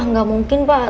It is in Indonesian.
wah enggak mungkin pak